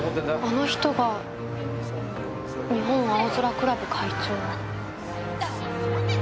あの人が日本青空クラブ会長。